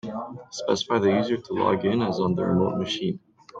Specify the user to log in as on the remote machine.